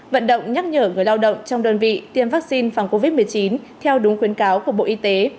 vận động nhắc nhở người lao động trong đơn vị tiêm vaccine phòng covid một mươi chín theo đúng khuyến cáo của bộ y tế